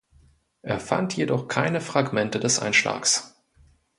Er fand jedoch keine Fragmente des Einschlags.